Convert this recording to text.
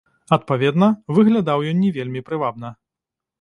Адпаведна, выглядаў ён не вельмі прывабна.